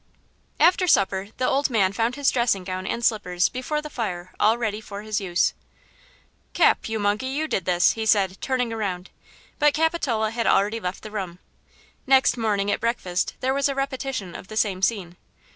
After supper the old man found his dressing gown and slippers before the fire all ready for his use. "Cap, you monkey, you did this," he said, turning around. But Capitola had already left the room. Next morning at breakfast there was a repetition of the same scene.